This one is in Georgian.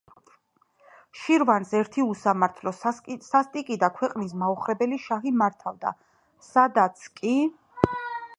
შირვანს ერთი უსამართლო, სასტიკი და ქვეყნის მაოხრებელი შაჰი მართავდა. სადაც კი